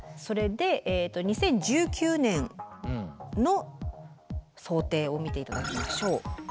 それで２０１９年の想定を見て頂きましょう。